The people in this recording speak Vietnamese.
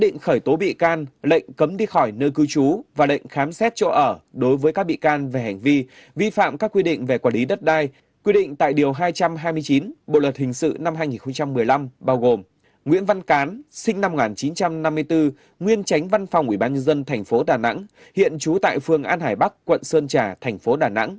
nay là giám đốc cảng vụ đường thủy nội địa hiện trú tại phường an hải bắc quận sơn trà tp đà nẵng